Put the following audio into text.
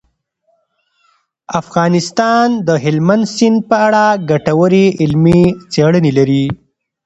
افغانستان د هلمند سیند په اړه ګټورې علمي څېړنې لري.